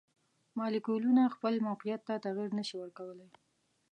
مالیکولونه خپل موقیعت ته تغیر نشي ورکولی.